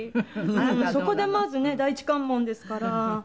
そこでまずね第一関門ですから。